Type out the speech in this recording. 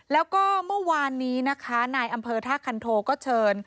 แล้วก็เมื่อวานนี้นะคะนายอำเภอท่าคันโทก็เชิญ